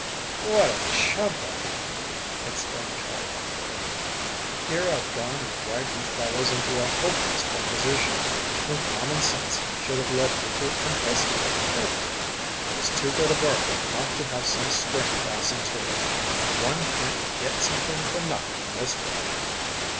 "What a chump I am!" exclaimed Charley bitterly. "Here I've gone and dragged you fellows into a hopeless proposition, when common sense should have led me to investigate carefully. It was too good a bargain not to have some string fastened to it. One can't get something for nothing in this world."